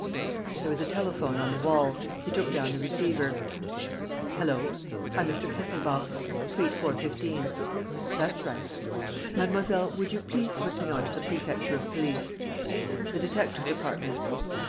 There was a telephone on the wall. He took down the receiver: "Hallo! ... I'm Mr. Kesselbach. ... Suite 415 ... That's right. ... Mademoiselle, would you please put me on to the Prefecture of Police ... the detective department.